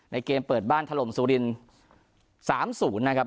ในเกมเปิดบ้านถลมศุริ๓๐๐๐ครับ